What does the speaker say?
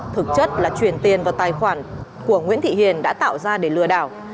thực chất là chuyển tiền vào tài khoản của nguyễn thị hiền đã tạo ra để lừa đảo